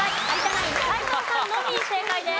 ナイン斎藤さんのみ正解です。